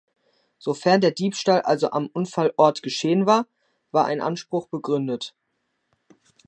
Sofern der Diebstahl also am Unfallort geschehen war, war ein Anspruch begründet.